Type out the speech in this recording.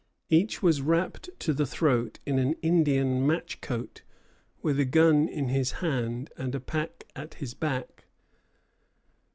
Each was wrapped to the throat in an Indian "matchcoat," with a gun in his hand and a pack at his back.